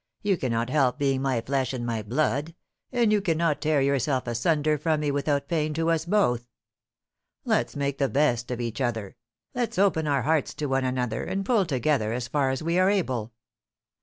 You cannot help being my flesh and my blood, and you cannot tear yourself asunder from me without pain to us both. Let's make the best of each other; let's open our hearts to one another, and pull together as far as we are able.